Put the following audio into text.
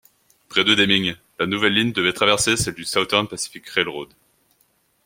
Près de Deming, la nouvelle ligne devait traverser celle du Southern Pacific Railroad.